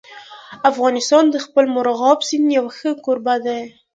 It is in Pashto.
افغانستان د خپل مورغاب سیند یو ښه کوربه دی.